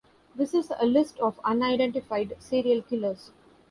This is a list of unidentified serial killers.